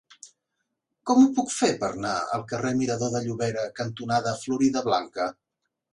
Com ho puc fer per anar al carrer Mirador de Llobera cantonada Floridablanca?